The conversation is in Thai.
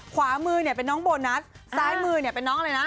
ขวามือเป็นน้องโบนัสซ้ายมือเป็นน้องอะไรนะ